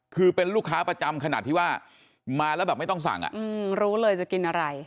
คือเป็นลูกค้าประจำขนาดที่ว่ามาแล้วแบบไม่ต้องสั่งรู้เลยจะกินอะไร